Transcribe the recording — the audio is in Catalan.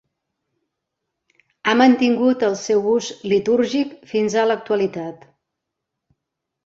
Ha mantingut el seu ús litúrgic fins a l'actualitat.